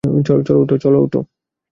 চল, ওঠ।